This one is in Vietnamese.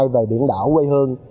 về biển đảo quây hương